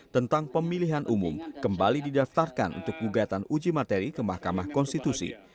tentang pemilihan umum kembali didaftarkan untuk gugatan uji materi ke mahkamah konstitusi